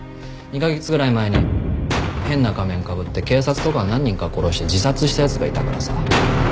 ２カ月ぐらい前に変な仮面かぶって警察とか何人か殺して自殺した奴がいたからさ。